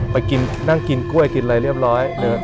ไปกินนั่งกินกล้วยกินอะไรเรียบร้อย